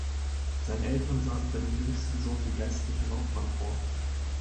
Seine Eltern sahen für den jüngsten Sohn die geistliche Laufbahn vor.